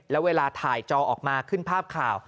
แล้วเวลาถ่ายจอออกมาขึ้นภาพข่าว